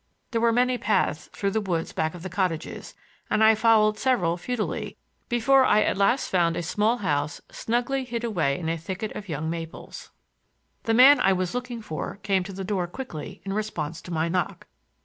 There were many paths through the woods back of the cottages, and I followed several futilely before I at last found a small house snugly bid away in a thicket of young maples. The man I was looking for came to the door quickly in response to my knock.